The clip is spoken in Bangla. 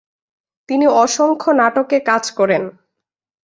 তিনি অসংখ্য নাটকে কাজ করেন।